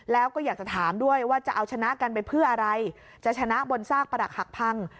แล้วก็อยากจะถามด้วยว่าจะเอาชนะกันไปเพื่ออะไรจะชนะบนซากปรักหักพัง